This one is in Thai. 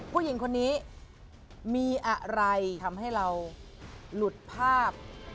ผู้หญิงคนนี้มีอะไรทำให้เราหลุดภาพ